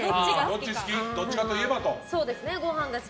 どっちかといえばと。